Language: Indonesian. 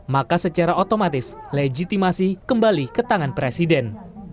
maka secara otomatis legitimasi kembali ke tangan presiden